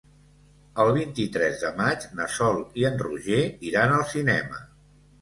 El vint-i-tres de maig na Sol i en Roger iran al cinema.